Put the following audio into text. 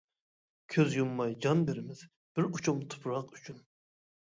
كۆز يۇمماي جان بېرىمىز، بىر ئۇچۇم تۇپراق ئۈچۈن.